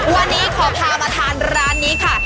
วันนี้ขอพามาทานร้านนี้ค่ะ